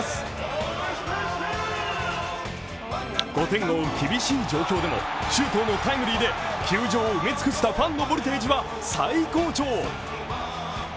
５点を追う厳しい状況でも周東のタイムリーで球場を埋め尽くしたファンのボルテージは最高潮。